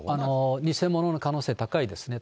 偽物の可能性、高いですね。